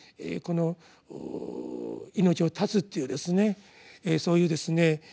この命を絶つというそういうですね